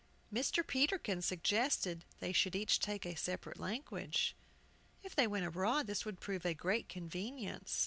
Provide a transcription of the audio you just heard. Mr. Peterkin suggested they should each take a separate language. If they went abroad, this would prove a great convenience.